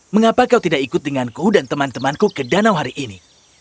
mengapa kau tidak ikut denganku dan teman temanku ke danau hari ini